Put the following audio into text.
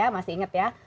masih ingat ya